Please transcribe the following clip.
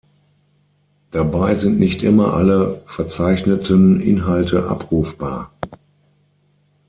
Dabei sind nicht immer alle verzeichneten Inhalte abrufbar.